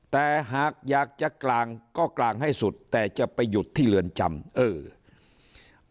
แต่หากอยากจะกลางก็กลางให้สุดแต่จะไปหยุดที่เรือนจำเออ